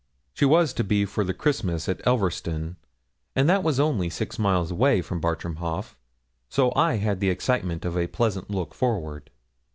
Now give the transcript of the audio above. She was to be for the Christmas at Elverston, and that was only six miles away from Bartram Haugh, so I had the excitement of a pleasant look forward.